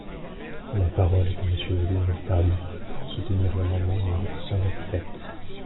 La parole est à Monsieur Lionel Tardy, pour soutenir l’amendement numéro cent vingt-sept.